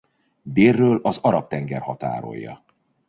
Délről az Arab-tenger határolja.